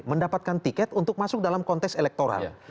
mendapatkan tiket untuk masuk dalam konteks elektoral